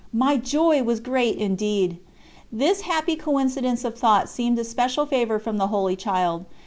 '" My joy was great indeed. This happy coincidence of thought seemed a special favour from the Holy Child.